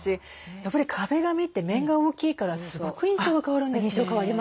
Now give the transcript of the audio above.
やっぱり壁紙って面が大きいからすごく印象が変わるんですね。